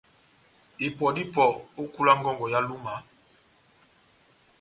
Ipɔ dá ipɔ ó ehungu yá ngɔngɔ ya Lúma,